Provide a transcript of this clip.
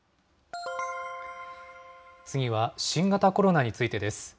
次は新型コロナについてです。